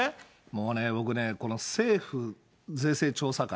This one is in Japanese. もうね、僕ね、この政府税制調査会、